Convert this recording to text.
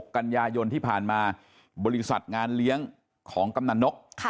กันยายนที่ผ่านมาบริษัทงานเลี้ยงของกำนันนก